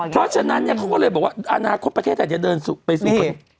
เพราะฉะนั้นเนี่ยเขาก็เลยบอกว่าอนาคตประเทศไทยจะเดินไปสู่คน